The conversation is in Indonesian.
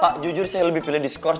pak jujur saya lebih pilih diskors